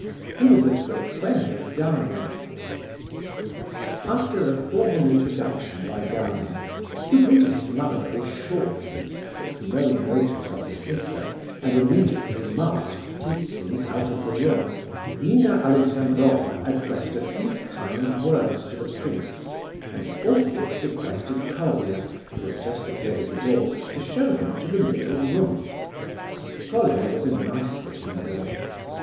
He was a great friend of Gania's. After a formal introduction by Gania (who greeted his mother very shortly, took no notice of his sister, and immediately marched Ptitsin out of the room), Nina Alexandrovna addressed a few kind words to the prince and forthwith requested Colia, who had just appeared at the door, to show him to the "middle room." Colia was a nice looking boy.